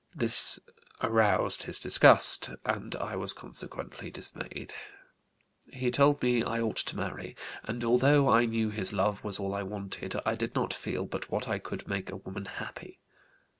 This aroused his disgust and I was consequently dismayed. He told me I ought to marry and, although I knew his love was all I wanted, I did not feel but what I could make a woman happy.